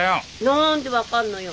何で分かるのよ？